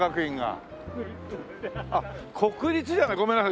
あっ国立じゃないごめんなさい